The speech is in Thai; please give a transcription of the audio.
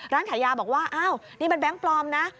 ร้านขายาบอกว่านี่เป็นแบงค์ปลอมนะ